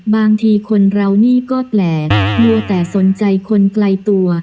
บางทีคนเรานี่ก็แปลกมัวแต่สนใจคนไกลตัว